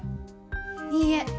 いいえ。